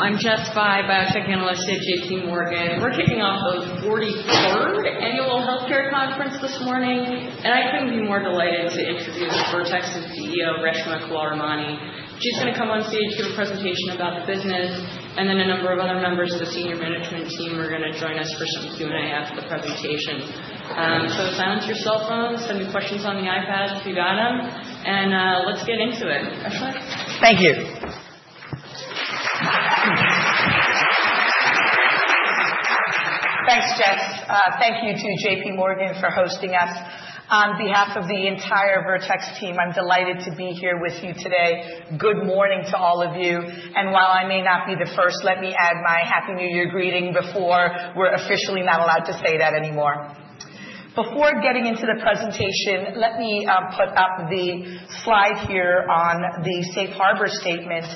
I'm Jessica Fye back again with JPMorgan. We're kicking off the 43rd Annual Healthcare Conference this morning, and I couldn't be more delighted to introduce Vertex's CEO, Reshma Kewalramani. She's going to come on stage to give a presentation about the business, and then a number of other members of the senior management team are going to join us for some Q&A after the presentation. So silence your cell phones, send me questions on the iPads if you've got them, and let's get into it. Thank you. Thanks, Jess. Thank you to JPMorgan for hosting us. On behalf of the entire Vertex team, I'm delighted to be here with you today. Good morning to all of you, and while I may not be the first, let me add my happy New Year greeting before we're officially not allowed to say that anymore. Before getting into the presentation, let me put up the slide here on the Safe Harbor Statement.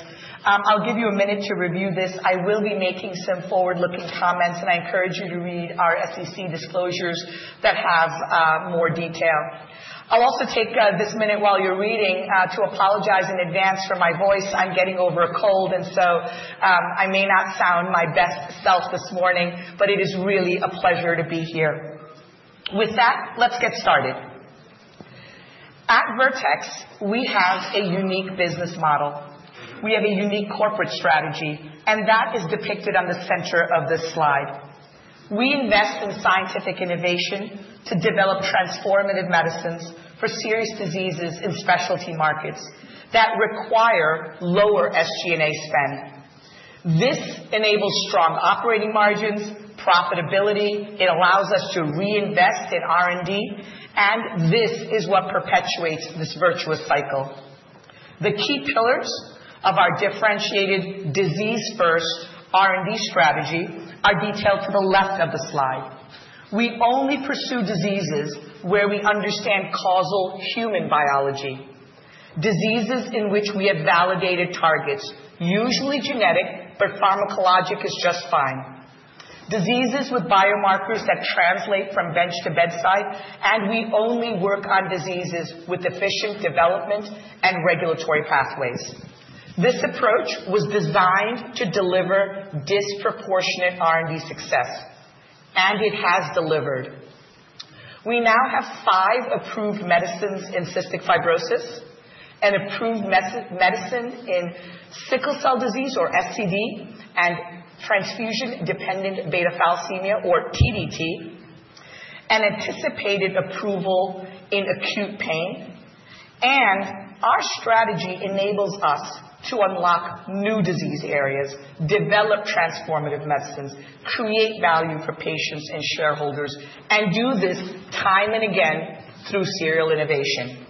I'll give you a minute to review this. I will be making some forward-looking comments, and I encourage you to read our SEC disclosures that have more detail. I'll also take this minute while you're reading to apologize in advance for my voice. I'm getting over a cold, and so I may not sound my best self this morning, but it is really a pleasure to be here. With that, let's get started. At Vertex, we have a unique business model. We have a unique corporate strategy, and that is depicted on the center of this slide. We invest in scientific innovation to develop transformative medicines for serious diseases in specialty markets that require lower SG&A spend. This enables strong operating margins, profitability. It allows us to reinvest in R&D, and this is what perpetuates this virtuous cycle. The key pillars of our differentiated disease-first R&D strategy are detailed to the left of the slide. We only pursue diseases where we understand causal human biology. Diseases in which we have validated targets, usually genetic, but pharmacologic is just fine. Diseases with biomarkers that translate from bench to bedside, and we only work on diseases with efficient development and regulatory pathways. This approach was designed to deliver disproportionate R&D success, and it has delivered. We now have five approved medicines in cystic fibrosis, an approved medicine in sickle cell disease or SCD, and transfusion-dependent beta thalassemia or TDT, an anticipated approval in acute pain, and our strategy enables us to unlock new disease areas, develop transformative medicines, create value for patients and shareholders, and do this time and again through serial innovation.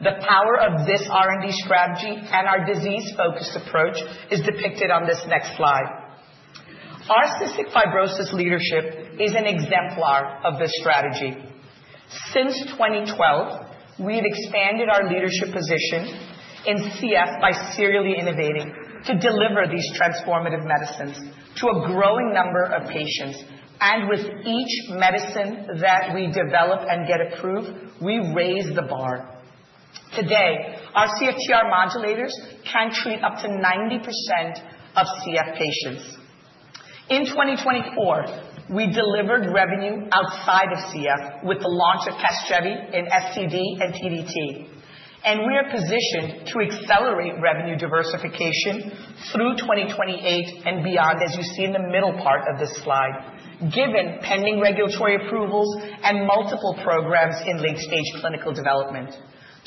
The power of this R&D strategy and our disease-focused approach is depicted on this next slide. Our cystic fibrosis leadership is an exemplar of this strategy. Since 2012, we've expanded our leadership position in CF by serially innovating to deliver these transformative medicines to a growing number of patients, and with each medicine that we develop and get approved, we raise the bar. Today, our CFTR modulators can treat up to 90% of CF patients. In 2024, we delivered revenue outside of CF with the launch of CASGEVY in SCD and TDT, and we are positioned to accelerate revenue diversification through 2028 and beyond, as you see in the middle part of this slide, given pending regulatory approvals and multiple programs in late-stage clinical development.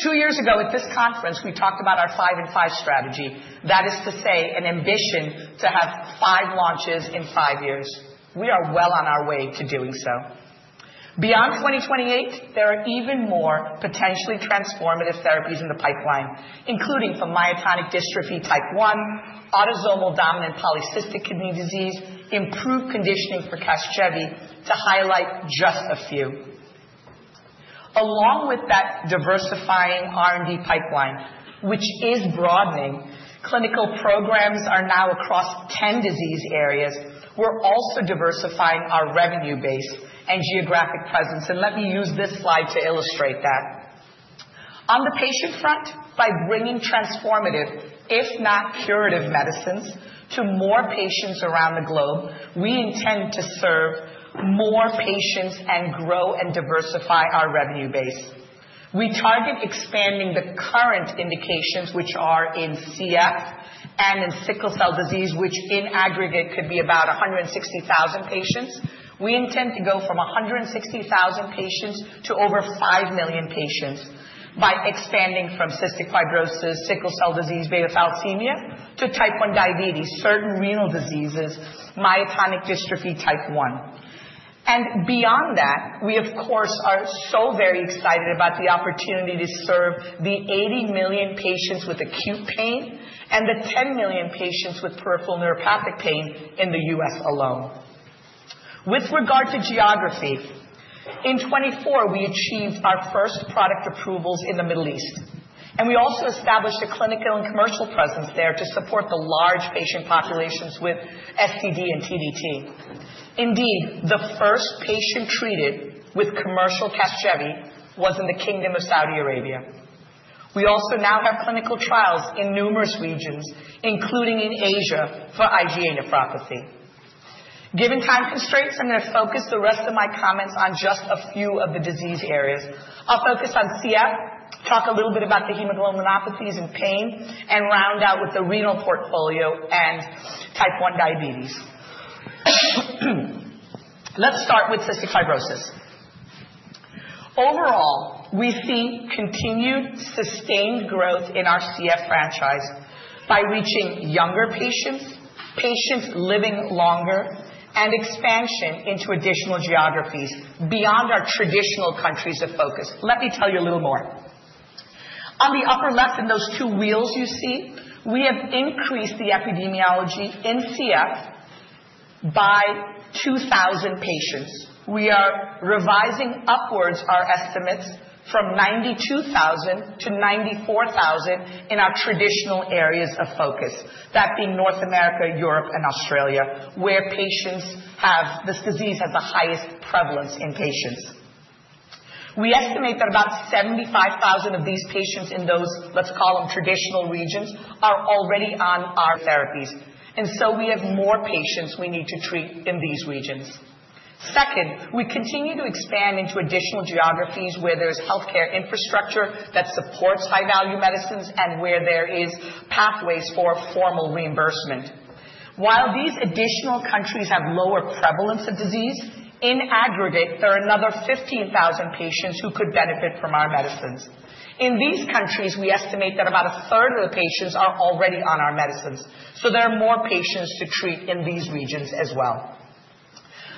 Two years ago, at this conference, we talked about our five-in-five strategy. That is to say, an ambition to have five launches in five years. We are well on our way to doing so. Beyond 2028, there are even more potentially transformative therapies in the pipeline, including for myotonic dystrophy type 1, autosomal dominant polycystic kidney disease, improved conditioning for CASGEVY, to highlight just a few. Along with that diversifying R&D pipeline, which is broadening, clinical programs are now across 10 disease areas. We're also diversifying our revenue base and geographic presence. Let me use this slide to illustrate that. On the patient front, by bringing transformative, if not curative medicines, to more patients around the globe, we intend to serve more patients and grow and diversify our revenue base. We target expanding the current indications, which are in CF and in sickle cell disease, which in aggregate could be about 160,000 patients. We intend to go from 160,000 patients to over 5 million patients by expanding from cystic fibrosis, sickle cell disease, beta thalassemia, to type 1 diabetes, certain renal diseases, myotonic dystrophy type 1. Beyond that, we, of course, are so very excited about the opportunity to serve the 80 million patients with acute pain and the 10 million patients with peripheral neuropathic pain in the U.S. alone. With regard to geography, in 2024, we achieved our first product approvals in the Middle East, and we also established a clinical and commercial presence there to support the large patient populations with SCD and TDT. Indeed, the first patient treated with commercial CASGEVY was in the Kingdom of Saudi Arabia. We also now have clinical trials in numerous regions, including in Asia, for IgA nephropathy. Given time constraints, I'm going to focus the rest of my comments on just a few of the disease areas. I'll focus on CF, talk a little bit about the hemoglobinopathies and pain, and round out with the renal portfolio and type 1 diabetes. Let's start with cystic fibrosis. Overall, we see continued sustained growth in our CF franchise by reaching younger patients, patients living longer, and expansion into additional geographies beyond our traditional countries of focus. Let me tell you a little more. On the upper left in those two wheels you see, we have increased the epidemiology in CF by 2,000 patients. We are revising upwards our estimates from 92,000 to 94,000 in our traditional areas of focus, that being North America, Europe, and Australia, where patients have this disease has the highest prevalence in patients. We estimate that about 75,000 of these patients in those, let's call them, traditional regions are already on our therapies. And so we have more patients we need to treat in these regions. Second, we continue to expand into additional geographies where there is healthcare infrastructure that supports high-value medicines and where there are pathways for formal reimbursement. While these additional countries have lower prevalence of disease, in aggregate, there are another 15,000 patients who could benefit from our medicines. In these countries, we estimate that about a third of the patients are already on our medicines, so there are more patients to treat in these regions as well.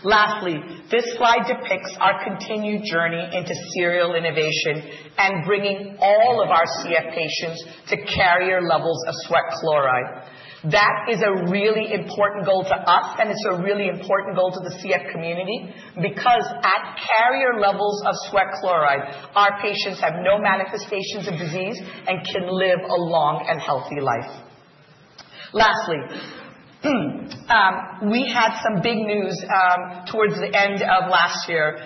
Lastly, this slide depicts our continued journey into serial innovation and bringing all of our CF patients to carrier levels of sweat chloride. That is a really important goal to us, and it's a really important goal to the CF community because at carrier levels of sweat chloride, our patients have no manifestations of disease and can live a long and healthy life. Lastly, we had some big news towards the end of last year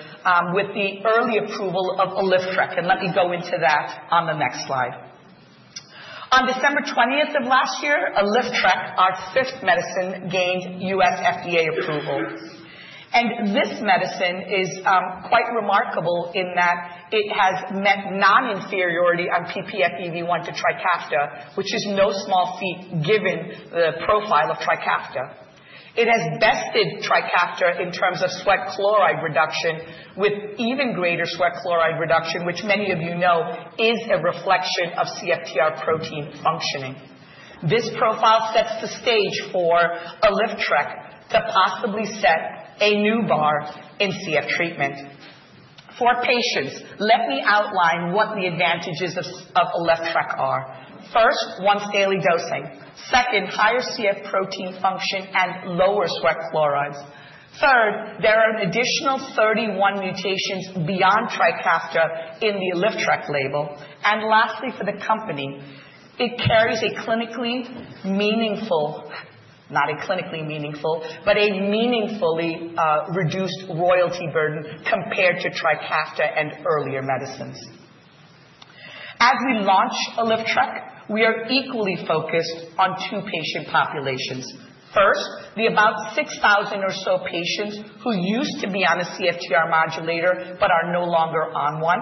with the early approval of ALYFTREK, and let me go into that on the next slide. On December 20th of last year, ALYFTREK, our fifth medicine, gained U.S. FDA approval. And this medicine is quite remarkable in that it has met non-inferiority on ppFEV1 to Trikafta, which is no small feat given the profile of Trikafta. It has bested Trikafta in terms of sweat chloride reduction with even greater sweat chloride reduction, which many of you know is a reflection of CFTR protein functioning. This profile sets the stage for ALYFTREK to possibly set a new bar in CF treatment. For patients, let me outline what the advantages of ALYFTREK are. First, once-daily dosing. Second, higher CF protein function and lower sweat chlorides. Third, there are an additional 31 mutations beyond Trikafta in the ALYFTREK label. And lastly, for the company, it carries a clinically meaningful, not a clinically meaningful, but a meaningfully reduced royalty burden compared to Trikafta and earlier medicines. As we launch ALYFTREK, we are equally focused on two patient populations. First, about 6,000 or so patients who used to be on a CFTR modulator but are no longer on one,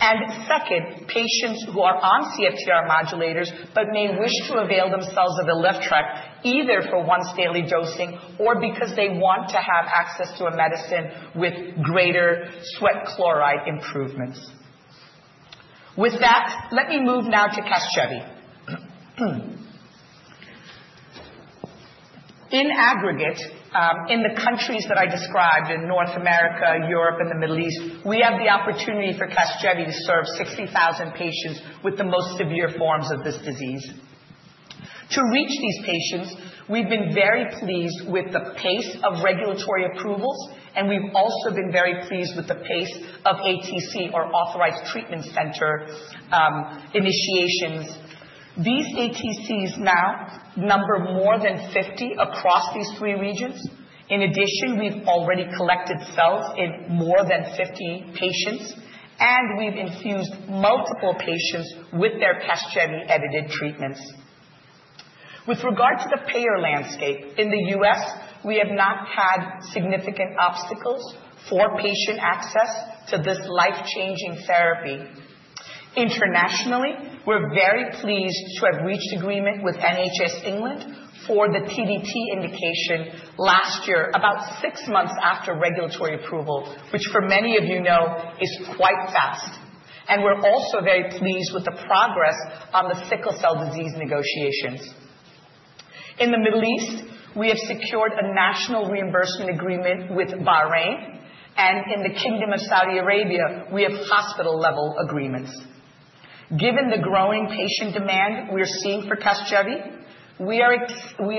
and second, patients who are on CFTR modulators but may wish to avail themselves of ALYFTREK either for once-daily dosing or because they want to have access to a medicine with greater sweat chloride improvements. With that, let me move now to CASGEVY. In aggregate, in the countries that I described, in North America, Europe, and the Middle East, we have the opportunity for CASGEVY to serve 60,000 patients with the most severe forms of this disease. To reach these patients, we have been very pleased with the pace of regulatory approvals, and we have also been very pleased with the pace of ATC, or Authorized Treatment Center, initiations. These ATCs now number more than 50 across these three regions. In addition, we've already collected cells in more than 50 patients, and we've infused multiple patients with their CASGEVY-edited treatments. With regard to the payer landscape, in the U.S., we have not had significant obstacles for patient access to this life-changing therapy. Internationally, we're very pleased to have reached agreement with NHS England for the TDT indication last year, about six months after regulatory approval, which many of you know is quite fast, and we're also very pleased with the progress on the sickle cell disease negotiations. In the Middle East, we have secured a national reimbursement agreement with Bahrain, and in the Kingdom of Saudi Arabia, we have hospital-level agreements. Given the growing patient demand we are seeing for CASGEVY, we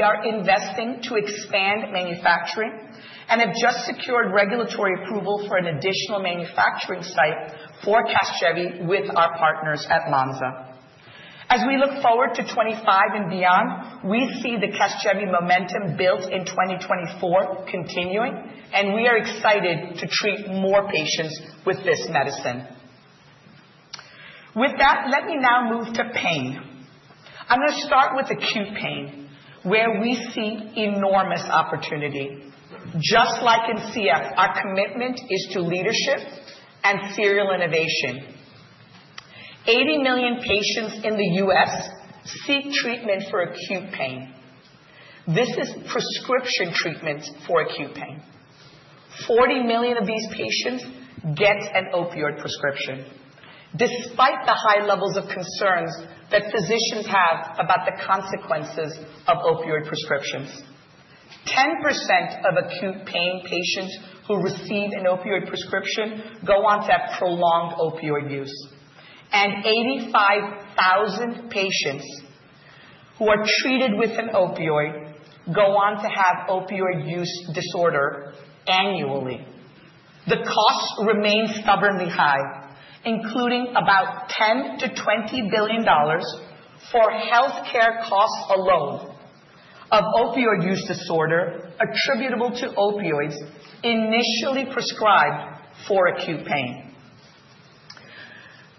are investing to expand manufacturing and have just secured regulatory approval for an additional manufacturing site for CASGEVY with our partners at Lonza. As we look forward to 2025 and beyond, we see the CASGEVY momentum built in 2024 continuing, and we are excited to treat more patients with this medicine. With that, let me now move to pain. I'm going to start with acute pain, where we see enormous opportunity. Just like in CF, our commitment is to leadership and serial innovation. 80 million patients in the U.S. seek treatment for acute pain. This is prescription treatment for acute pain. 40 million of these patients get an opioid prescription, despite the high levels of concerns that physicians have about the consequences of opioid prescriptions. 10% of acute pain patients who receive an opioid prescription go on to have prolonged opioid use, and 85,000 patients who are treated with an opioid go on to have opioid use disorder annually. The costs remain stubbornly high, including about $10-$20 billion for healthcare costs alone of opioid use disorder attributable to opioids initially prescribed for acute pain.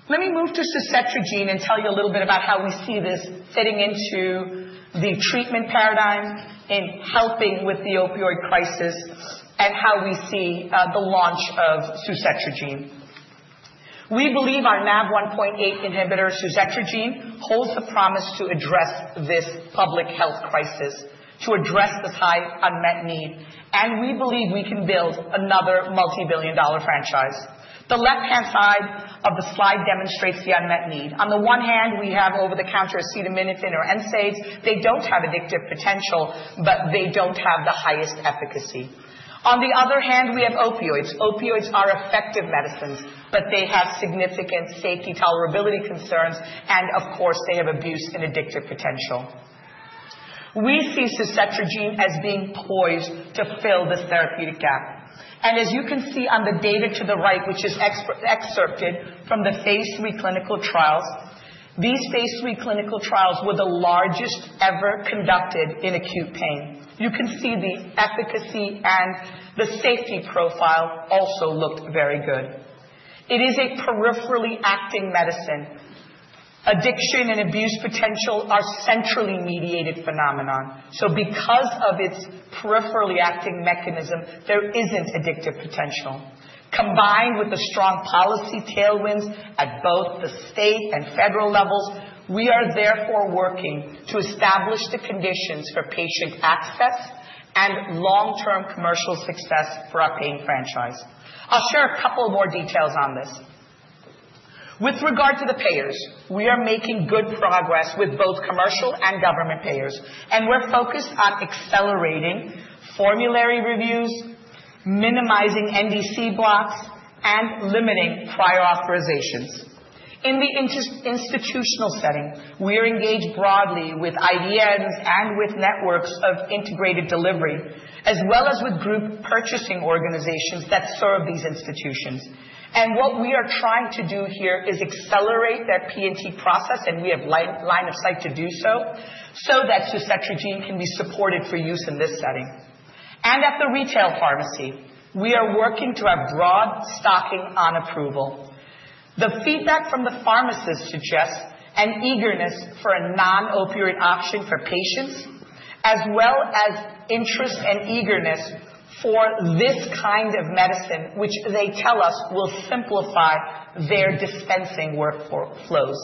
Let me move to suzetrigine and tell you a little bit about how we see this fitting into the treatment paradigm in helping with the opioid crisis and how we see the launch of suzetrigine. We believe our NaV1.8 inhibitor, suzetrigine, holds the promise to address this public health crisis, to address this high unmet need, and we believe we can build another multi-billion dollar franchise. The left-hand side of the slide demonstrates the unmet need. On the one hand, we have over-the-counter acetaminophen or NSAIDs. They don't have addictive potential, but they don't have the highest efficacy. On the other hand, we have opioids. Opioids are effective medicines, but they have significant safety tolerability concerns, and of course, they have abuse and addictive potential. We see suzetrigine as being poised to fill this therapeutic gap. And as you can see on the data to the right, which is excerpted from the phase III clinical trials, these phase III clinical trials were the largest ever conducted in acute pain. You can see the efficacy and the safety profile also looked very good. It is a peripherally acting medicine. Addiction and abuse potential are centrally mediated phenomena, so because of its peripherally acting mechanism, there isn't addictive potential. Combined with the strong policy tailwinds at both the state and federal levels, we are therefore working to establish the conditions for patient access and long-term commercial success for our pain franchise. I'll share a couple more details on this. With regard to the payers, we are making good progress with both commercial and government payers, and we're focused on accelerating formulary reviews, minimizing NDC blocks, and limiting prior authorizations. In the institutional setting, we are engaged broadly with IDNs and with networks of integrated delivery, as well as with group purchasing organizations that serve these institutions, and what we are trying to do here is accelerate their P&T process, and we have line of sight to do so so that suzetrigine can be supported for use in this setting, and at the retail pharmacy, we are working to have broad stocking on approval. The feedback from the pharmacists suggests an eagerness for a non-opioid option for patients, as well as interest and eagerness for this kind of medicine, which they tell us will simplify their dispensing workflows.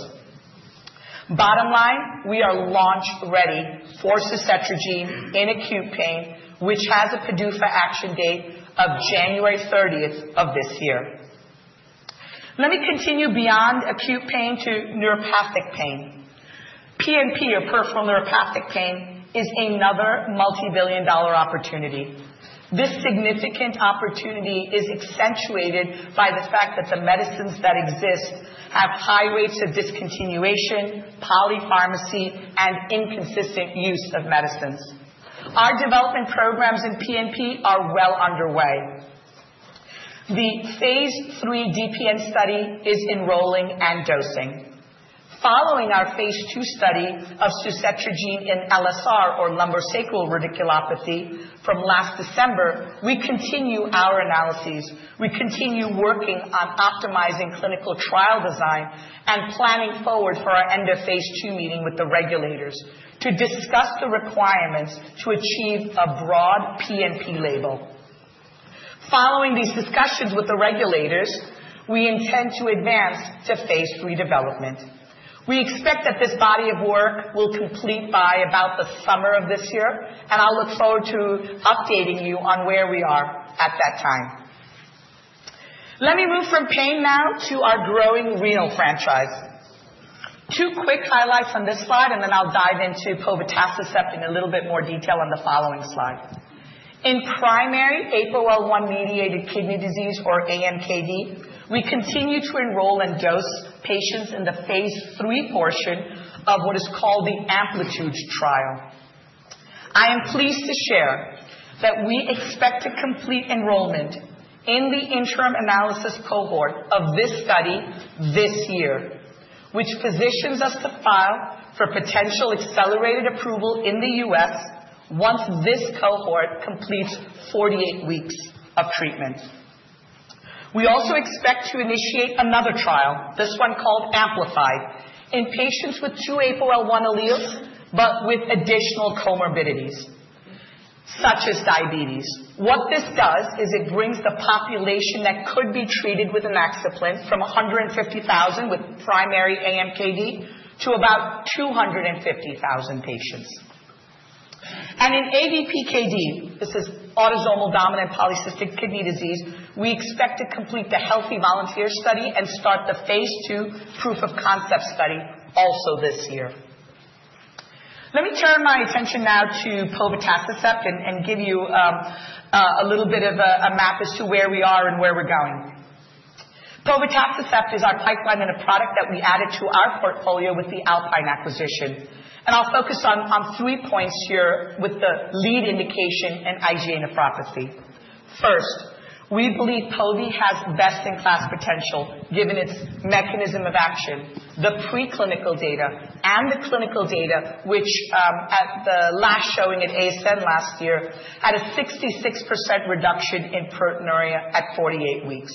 Bottom line, we are launch ready for suzetrigine in acute pain, which has a PDUFA action date of January 30th of this year. Let me continue beyond acute pain to neuropathic pain. PNP, or peripheral neuropathic pain, is another multi-billion dollar opportunity. This significant opportunity is accentuated by the fact that the medicines that exist have high rates of discontinuation, polypharmacy, and inconsistent use of medicines. Our development programs in PNP are well underway. The phase III DPN study is enrolling and dosing. Following our phase II study of suzetrigine in LSR, or lumbosacral radiculopathy, from last December, we continue our analyses. We continue working on optimizing clinical trial design and planning forward for our end of phase II meeting with the regulators to discuss the requirements to achieve a broad PNP label. Following these discussions with the regulators, we intend to advance to phase III development. We expect that this body of work will complete by about the summer of this year, and I'll look forward to updating you on where we are at that time. Let me move from pain now to our growing renal franchise. Two quick highlights on this slide, and then I'll dive into povetacicept in a little bit more detail on the following slide. In primary APOL1-mediated kidney disease, or AMKD, we continue to enroll and dose patients in the phase III portion of what is called the Amplitude Trial. I am pleased to share that we expect to complete enrollment in the interim analysis cohort of this study this year, which positions us to file for potential accelerated approval in the U.S. once this cohort completes 48 weeks of treatment. We also expect to initiate another trial, this one called Amplified, in patients with two APOL1 alleles but with additional comorbidities, such as diabetes. What this does is it brings the population that could be treated with inaxaplin from 150,000 with primary AMKD to about 250,000 patients. In ADPKD, this is autosomal dominant polycystic kidney disease, we expect to complete the healthy volunteer study and start the phase II proof of concept study also this year. Let me turn my attention now to povetacicept and give you a little bit of a map as to where we are and where we're going. Povetacicept is our pipeline and a product that we added to our portfolio with the Alpine acquisition. I'll focus on three points here with the lead indication and IgA nephropathy. First, we believe povetacicept has best-in-class potential given its mechanism of action, the preclinical data, and the clinical data, which, at the last showing at ASN last year, had a 66% reduction in proteinuria at 48 weeks,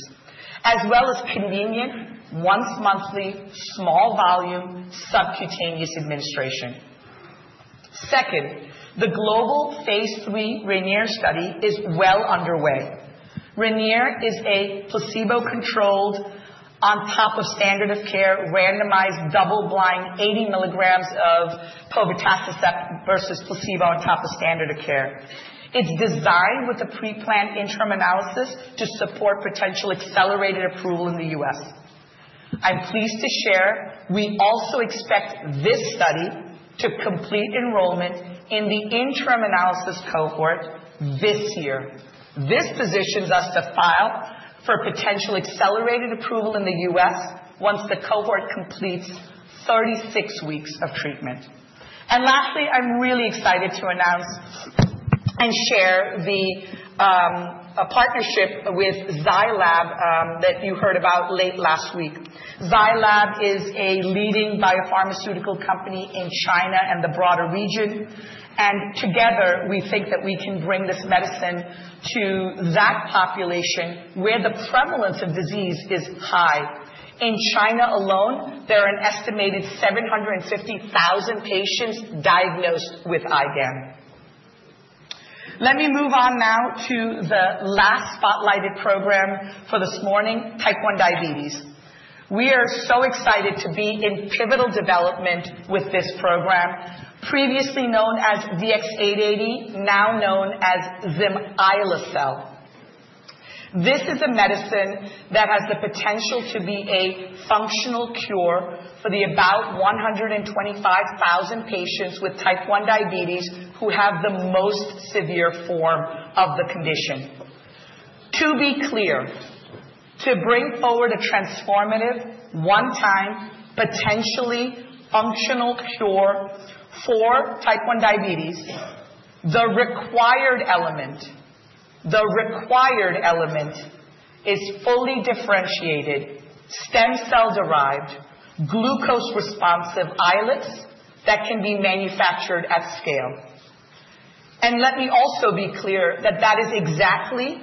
as well as convenient, once-monthly, small-volume, subcutaneous administration. Second, the global phase III Rainier study is well underway. Rainier is a placebo-controlled, on top of standard of care, randomized double-blind 80 milligrams of povetacicept versus placebo on top of standard of care. It's designed with a pre-planned interim analysis to support potential accelerated approval in the U.S. I'm pleased to share we also expect this study to complete enrollment in the interim analysis cohort this year. This positions us to file for potential accelerated approval in the U.S. once the cohort completes 36 weeks of treatment. Lastly, I'm really excited to announce and share the partnership with Zai Lab that you heard about late last week. Zai Lab is a leading biopharmaceutical company in China and the broader region, and together, we think that we can bring this medicine to that population where the prevalence of disease is high. In China alone, there are an estimated 750,000 patients diagnosed with IgAN. Let me move on now to the last spotlighted program for this morning, Type 1 diabetes. We are so excited to be in pivotal development with this program, previously known as VX-880, now known as zimislecel. This is a medicine that has the potential to be a functional cure for about 125,000 patients with type 1 diabetes who have the most severe form of the condition. To be clear, to bring forward a transformative, one-time, potentially functional cure for type 1 diabetes, the required element, the required element is fully differentiated, stem cell-derived, glucose-responsive islets that can be manufactured at scale. Let me also be clear that that is exactly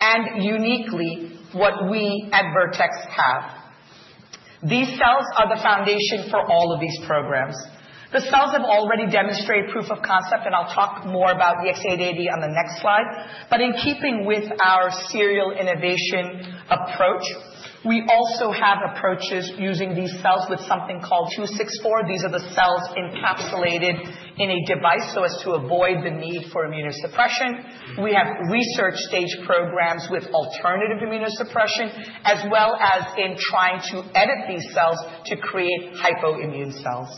and uniquely what we at Vertex have. These cells are the foundation for all of these programs. The cells have already demonstrated proof of concept, and I'll talk more about VX-880 on the next slide. In keeping with our serial innovation approach, we also have approaches using these cells with something called VX-264. These are the cells encapsulated in a device so as to avoid the need for immunosuppression. We have research-stage programs with alternative immunosuppression, as well as in trying to edit these cells to create hypoimmune cells.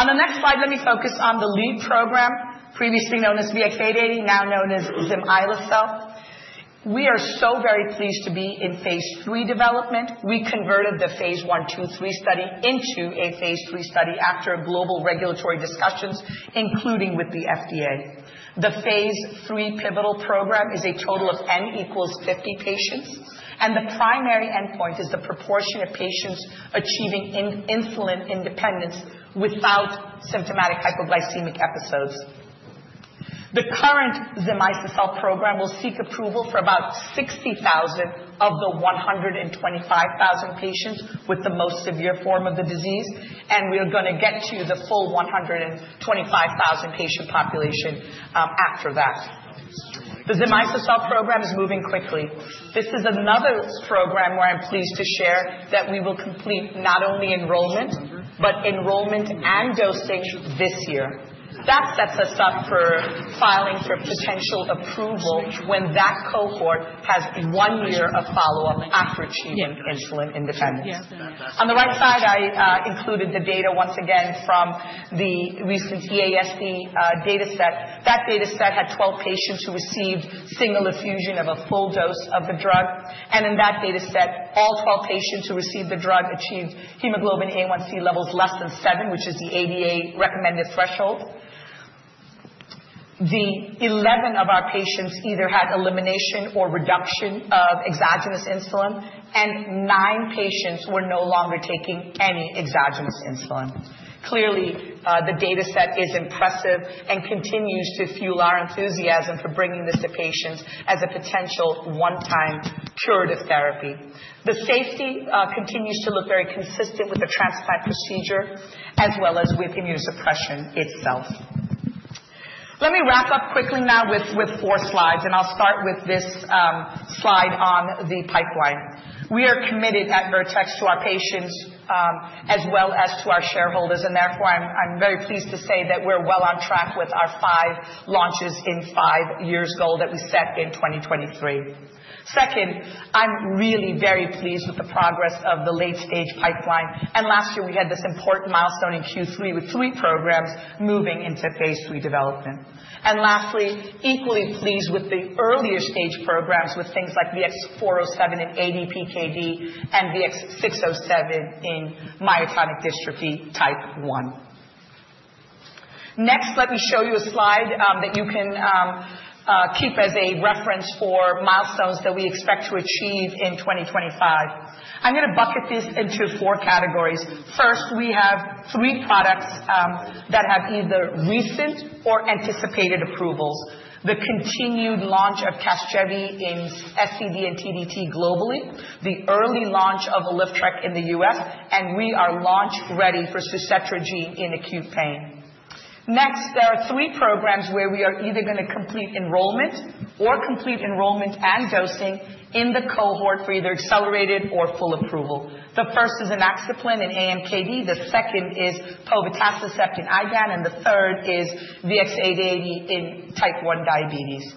On the next slide, let me focus on the lead program, previously known as VX-880, now known as zimislecel. We are so very pleased to be in phase III development. We converted the phase I, II, III study into a phase III study after global regulatory discussions, including with the FDA. The phase III pivotal program is a total of N equals 50 patients, and the primary endpoint is the proportion of patients achieving insulin independence without symptomatic hypoglycemic episodes. The current zimislecel program will seek approval for about 60,000 of the 125,000 patients with the most severe form of the disease, and we are going to get to the full 125,000 patient population after that. The zimislecel program is moving quickly. This is another program where I'm pleased to share that we will complete not only enrollment, but enrollment and dosing this year. That sets us up for filing for potential approval when that cohort has one year of follow-up after achieving insulin independence. On the right side, I included the data once again from the recent EASD dataset. That dataset had 12 patients who received single infusion of a full dose of the drug, and in that dataset, all 12 patients who received the drug achieved Hemoglobin A1c levels less than seven, which is the ADA recommended threshold. In 11 of our patients either had elimination or reduction of exogenous insulin, and nine patients were no longer taking any exogenous insulin. Clearly, the dataset is impressive and continues to fuel our enthusiasm for bringing this to patients as a potential one-time curative therapy. The safety continues to look very consistent with the transplant procedure, as well as with immunosuppression itself. Let me wrap up quickly now with four slides, and I'll start with this slide on the pipeline. We are committed at Vertex to our patients, as well as to our shareholders, and therefore, I'm very pleased to say that we're well on track with our five launches in five years' goal that we set in 2023. Second, I'm really very pleased with the progress of the late-stage pipeline, and last year, we had this important milestone in Q3 with three programs moving into phase III development. And lastly, equally pleased with the earlier stage programs with things like VX-407 in ADPKD and VX-607 in myotonic dystrophy type 1. Next, let me show you a slide that you can keep as a reference for milestones that we expect to achieve in 2025. I'm going to bucket this into four categories. First, we have three products that have either recent or anticipated approvals: the continued launch of CASGEVY in SCD and TDT globally, the early launch of ALYFTREK in the U.S., and we are launch ready for suzetrigine in acute pain. Next, there are three programs where we are either going to complete enrollment or complete enrollment and dosing in the cohort for either accelerated or full approval. The first is inaxaplin in AMKD, the second is povetacicept in IgAN, and the third is VX-880 in type 1 diabetes.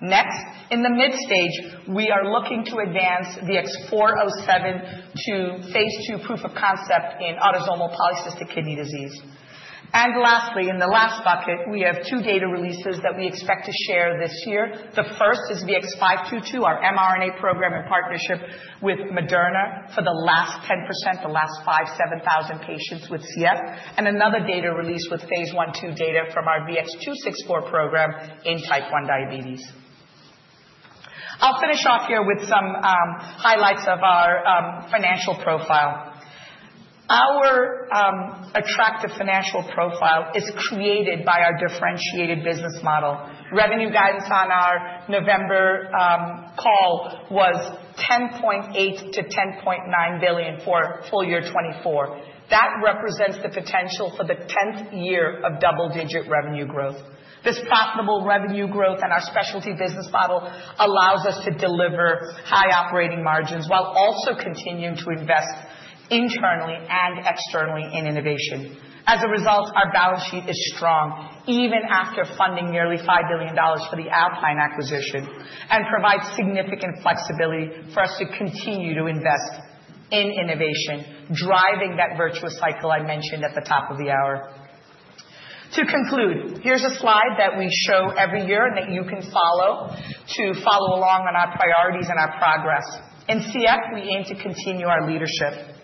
Next, in the mid-stage, we are looking to advance VX-407 to phase II proof of concept in autosomal polycystic kidney disease, and lastly, in the last bucket, we have two data releases that we expect to share this year. The first is VX-522, our mRNA program in partnership with Moderna for the last 10%, the last 5,000-7,000 patients with CF, and another data release with phase I, II data from our VX-264 program in type 1 diabetes. I'll finish off here with some highlights of our financial profile. Our attractive financial profile is created by our differentiated business model. Revenue guidance on our November call was $10.8 billion-$10.9 billion for full year 2024. That represents the potential for the 10th year of double-digit revenue growth. This profitable revenue growth and our specialty business model allows us to deliver high operating margins while also continuing to invest internally and externally in innovation. As a result, our balance sheet is strong even after funding nearly $5 billion for the Alpine acquisition and provides significant flexibility for us to continue to invest in innovation, driving that virtuous cycle I mentioned at the top of the hour. To conclude, here's a slide that we show every year and that you can follow along on our priorities and our progress. In CF, we aim to continue our leadership.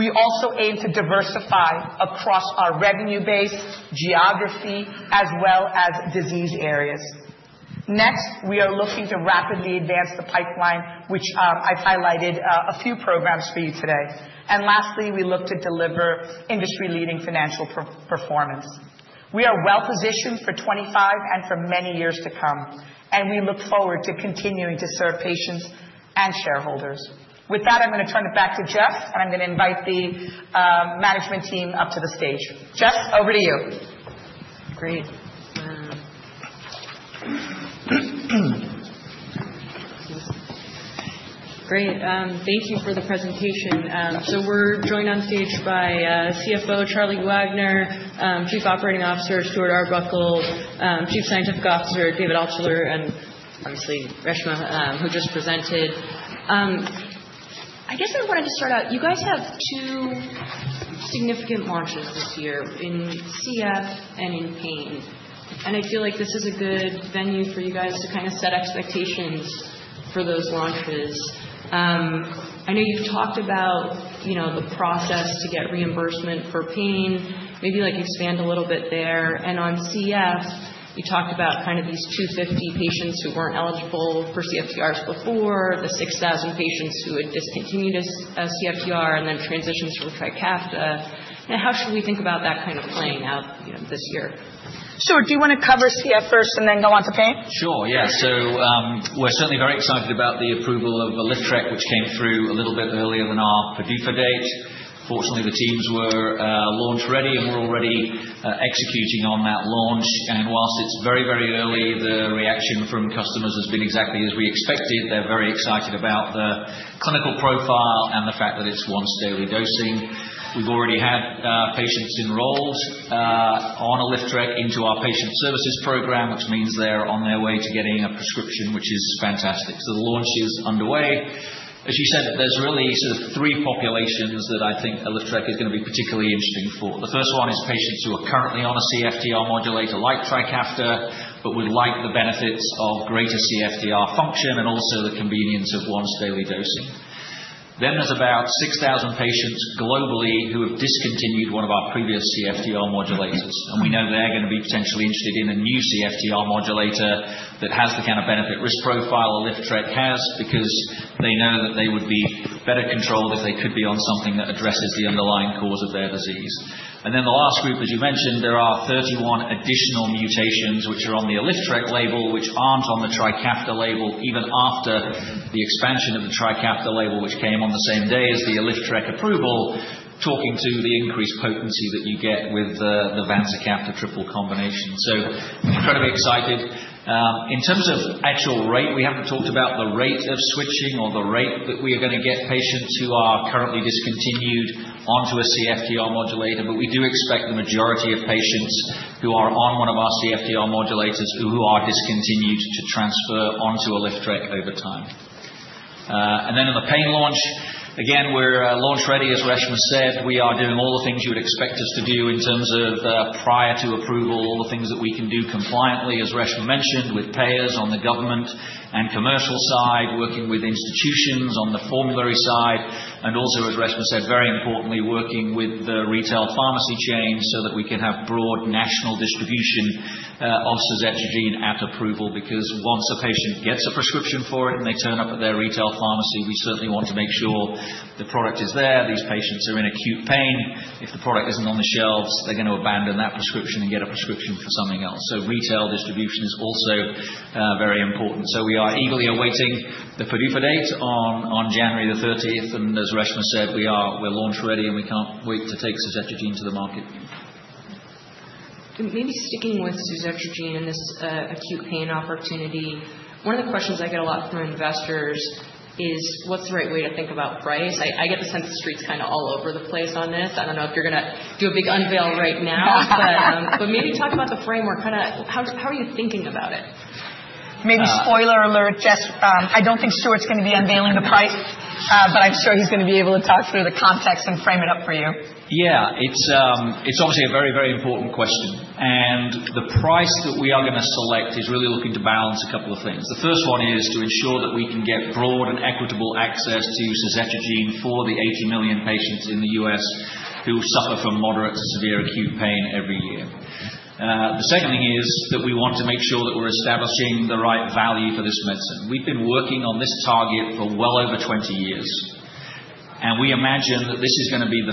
We also aim to diversify across our revenue base, geography, as well as disease areas. Next, we are looking to rapidly advance the pipeline, which I've highlighted a few programs for you today. And lastly, we look to deliver industry-leading financial performance. We are well positioned for 2025 and for many years to come, and we look forward to continuing to serve patients and shareholders. With that, I'm going to turn it back to Jess, and I'm going to invite the management team up to the stage. Jess, over to you. Great. Great. Thank you for the presentation. So we're joined on stage by CFO Charlie Wagner; Chief Operating Officer Stuart Arbuckle; Chief Scientific Officer David Altshuler, and obviously, Reshma, who just presented. I guess I wanted to start out, you guys have two significant launches this year in CF and in pain, and I feel like this is a good venue for you guys to kind of set expectations for those launches. I know you've talked about the process to get reimbursement for pain, maybe expand a little bit there. And on CF, you talked about kind of these 250 patients who weren't eligible for CFTRs before, the 6,000 patients who had discontinued CFTR, and then transitions from Trikafta. How should we think about that kind of playing out this year? Stuart, do you want to cover CF first and then go on to pain? Sure, yeah. So we're certainly very excited about the approval of ALYFTREK, which came through a little bit earlier than our PDUFA date. Fortunately, the teams were launch ready, and we're already executing on that launch. And while it's very, very early, the reaction from customers has been exactly as we expected. They're very excited about the clinical profile and the fact that it's once-daily dosing. We've already had patients enrolled on ALYFTREK into our patient services program, which means they're on their way to getting a prescription, which is fantastic. So the launch is underway. As you said, there's really sort of three populations that I think ALYFTREK is going to be particularly interesting for. The first one is patients who are currently on a CFTR modulator like Trikafta, but would like the benefits of greater CFTR function and also the convenience of once-daily dosing. Then there's about 6,000 patients globally who have discontinued one of our previous CFTR modulators, and we know they're going to be potentially interested in a new CFTR modulator that has the kind of benefit-risk profile ALYFTREK has because they know that they would be better controlled if they could be on something that addresses the underlying cause of their disease. And then the last group, as you mentioned, there are 31 additional mutations which are on the ALYFTREK label, which aren't on the Trikafta label even after the expansion of the Trikafta label, which came on the same day as the ALYFTREK approval, talking to the increased potency that you get with the vanzacaftor triple combination. So incredibly excited. In terms of actual rate, we haven't talked about the rate of switching or the rate that we are going to get patients who are currently discontinued onto a CFTR modulator, but we do expect the majority of patients who are on one of our CFTR modulators who are discontinued to transfer onto ALYFTREK over time, and then in the pain launch, again, we're launch ready, as Reshma said. We are doing all the things you would expect us to do in terms of prior to approval, all the things that we can do compliantly, as Reshma mentioned, with payers on the government and commercial side, working with institutions on the formulary side, and also, as Reshma said, very importantly, working with the retail pharmacy chains so that we can have broad national distribution of suzetrigine at approval because once a patient gets a prescription for it and they turn up at their retail pharmacy, we certainly want to make sure the product is there. These patients are in acute pain. If the product isn't on the shelves, they're going to abandon that prescription and get a prescription for something else. So retail distribution is also very important. We are eagerly awaiting the PDUFA date on January the 30th, and as Reshma said, we're launch ready, and we can't wait to take suzetrigine to the market. Maybe sticking with suzetrigine and this acute pain opportunity, one of the questions I get a lot from investors is, what's the right way to think about price? I get the sense the street's kind of all over the place on this. I don't know if you're going to do a big unveil right now, but maybe talk about the framework. Kind of how are you thinking about it? Maybe spoiler alert, Jess, I don't think Stuart's going to be unveiling the price, but I'm sure he's going to be able to talk through the context and frame it up for you. Yeah, it's obviously a very, very important question, and the price that we are going to select is really looking to balance a couple of things. The first one is to ensure that we can get broad and equitable access to suzetrigine for the 80 million patients in the U.S. who suffer from moderate to severe acute pain every year. The second thing is that we want to make sure that we're establishing the right value for this medicine. We've been working on this target for well over 20 years, and we imagine that this is going to be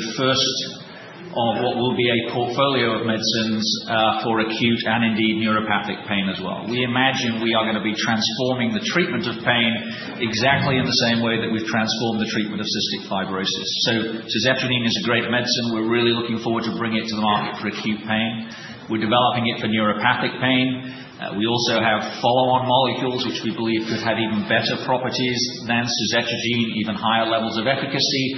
the first of what will be a portfolio of medicines for acute and indeed neuropathic pain as well. We imagine we are going to be transforming the treatment of pain exactly in the same way that we've transformed the treatment of cystic fibrosis. So suzetrigine is a great medicine. We're really looking forward to bringing it to the market for acute pain. We're developing it for neuropathic pain. We also have follow-on molecules, which we believe could have even better properties than suzetrigine, even higher levels of efficacy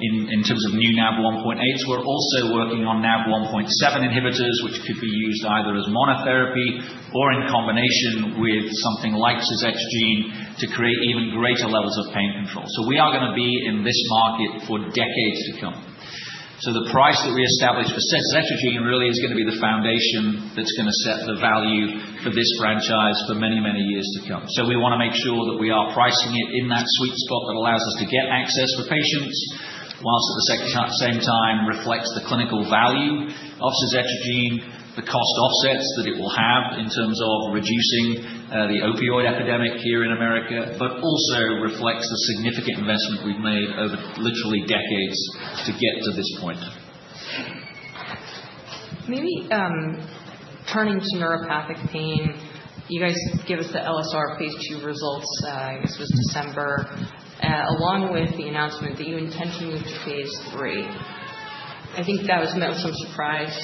in terms of new NaV1.8s. We're also working on NaV1.7 inhibitors, which could be used either as monotherapy or in combination with something like suzetrigine to create even greater levels of pain control. So we are going to be in this market for decades to come. So the price that we establish for suzetrigine really is going to be the foundation that's going to set the value for this franchise for many, many years to come. We want to make sure that we are pricing it in that sweet spot that allows us to get access for patients, while at the same time reflects the clinical value of suzetrigine, the cost offsets that it will have in terms of reducing the opioid epidemic here in America, but also reflects the significant investment we've made over literally decades to get to this point. Maybe turning to neuropathic pain, you guys gave us the LSR phase II results, I guess it was December, along with the announcement that you intend to move to phase III. I think that was met with some surprise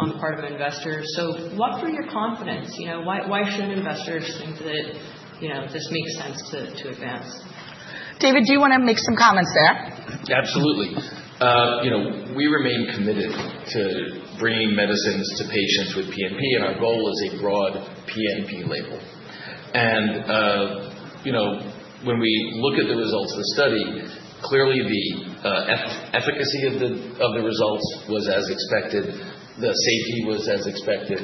on the part of investors. So what were your confidence? Why should investors think that this makes sense to advance? David, do you want to make some comments there? Absolutely. We remain committed to bringing medicines to patients with PNP, and our goal is a broad PNP label, and when we look at the results of the study, clearly the efficacy of the results was as expected, the safety was as expected,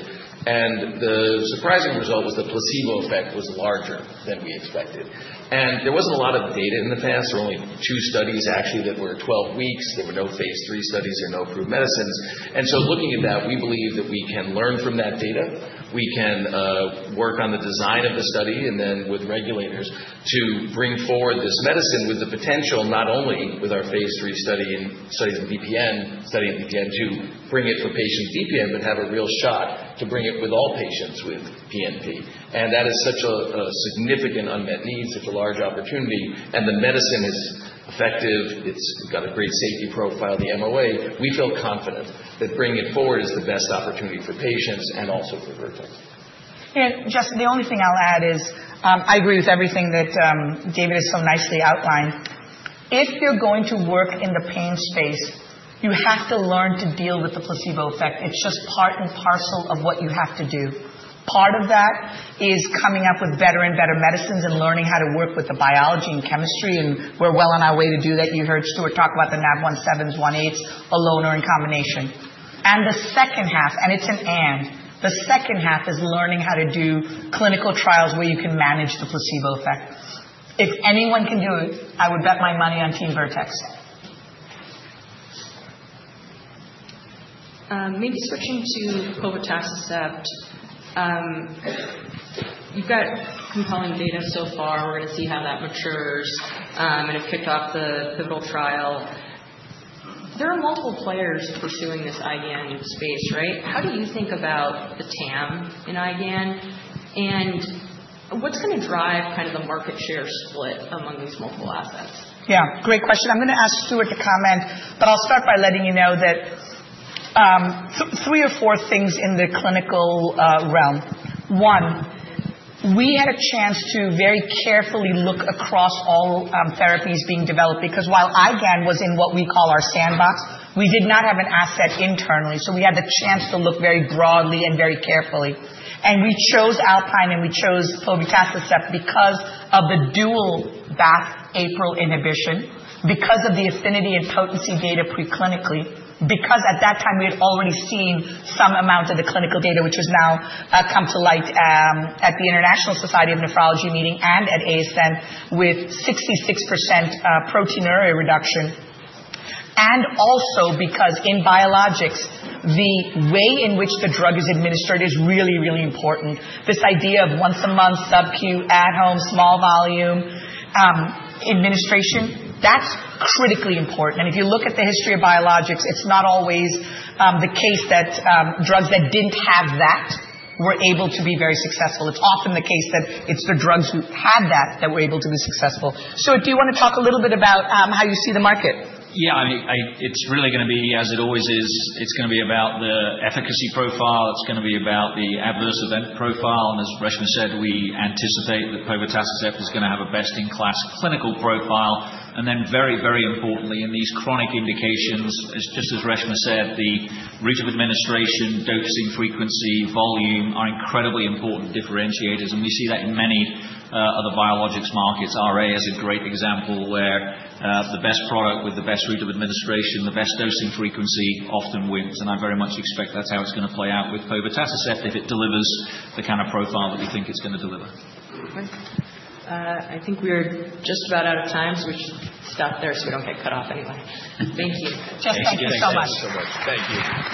and the surprising result was the placebo effect was larger than we expected, and there wasn't a lot of data in the past. There were only two studies actually that were 12 weeks. There were no phase III studies or no approved medicines, and so looking at that, we believe that we can learn from that data. We can work on the design of the study and then with regulators to bring forward this medicine with the potential, not only with our phase III study and study of PNP to bring it for patients' PNP, but have a real shot to bring it with all patients with PNP, and that is such a significant unmet need, such a large opportunity, and the medicine is effective. It's got a great safety profile, the MOA. We feel confident that bringing it forward is the best opportunity for patients and also for Vertex. And Jess, the only thing I'll add is I agree with everything that David has so nicely outlined. If you're going to work in the pain space, you have to learn to deal with the placebo effect. It's just part and parcel of what you have to do. Part of that is coming up with better and better medicines and learning how to work with the biology and chemistry, and we're well on our way to do that. You heard Stuart talk about the NaV1.7s, 1.8s, alone or in combination. And the second half, and it's an and, the second half is learning how to do clinical trials where you can manage the placebo effect. If anyone can do it, I would bet my money on team Vertex. Maybe switching to povetacicept, you've got compelling data so far. We're going to see how that matures and have kicked off the pivotal trial. There are multiple players pursuing this IgAN space, right? How do you think about the TAM in IgAN, and what's going to drive kind of the market share split among these multiple assets? Yeah, great question. I'm going to ask Stuart to comment, but I'll start by letting you know that three or four things in the clinical realm. One, we had a chance to very carefully look across all therapies being developed because while IGN was in what we call our sandbox, we did not have an asset internally. So we had the chance to look very broadly and very carefully, and we chose Alpine and we chose povetacicept because of the dual BAFF APRIL inhibition, because of the affinity and potency data preclinically, because at that time we had already seen some amount of the clinical data, which has now come to light at the International Society of Nephrology meeting and at ASN with 66% proteinuria reduction, and also because in biologics, the way in which the drug is administered is really, really important. This idea of once a month, subcu at home, small volume administration, that's critically important. And if you look at the history of biologics, it's not always the case that drugs that didn't have that were able to be very successful. It's often the case that it's the drugs who had that that were able to be successful. Stuart, do you want to talk a little bit about how you see the market? Yeah, it's really going to be, as it always is, it's going to be about the efficacy profile. It's going to be about the adverse event profile. And as Reshma said, we anticipate that povetacicept is going to have a best-in-class clinical profile. And then very, very importantly, in these chronic indications, just as Reshma said, the route of administration, dosing frequency, volume are incredibly important differentiators, and we see that in many of the biologics markets. RA is a great example where the best product with the best route of administration, the best dosing frequency often wins. And I very much expect that's how it's going to play out with povetacicept if it delivers the kind of profile that we think it's going to deliver. Thanks. I think we are just about out of time, so we should stop there so we don't get cut off anyway. Thank you. Jess, thank you so much. Thank you so much. Thank you.